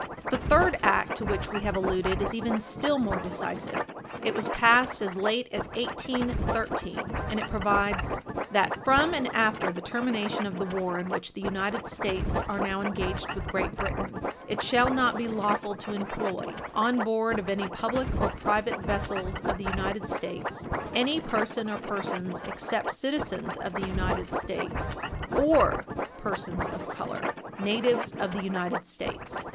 The third act to which we have alluded is even still more decisive; it was passed as late as 1813, 2 Stat. 809, and it provides: "That from and after the termination of the war in which the United States are now engaged with Great Britain, it shall not be lawful to employ, on board of any public or private vessels of the United States, any person or persons except citizens of the United States, or persons of color, natives of the United States. " Page 60 U. S.